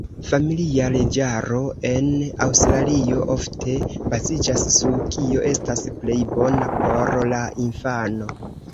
Familia Leĝaro en Aŭstralio ofte baziĝas sur kio estas plej bona por la infano.